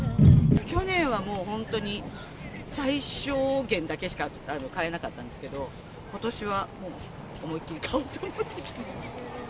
去年はもう本当に最小限だけしか買えなかったんですけど、ことしはもう、思いっきり買おうと思って来ました。